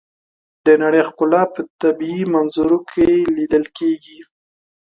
د نړۍ ښکلا په طبیعي منظرو کې لیدل کېږي.